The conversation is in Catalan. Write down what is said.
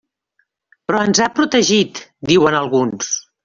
Però ens ha protegit, diuen alguns.